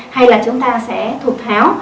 hay là chúng ta sẽ thục tháo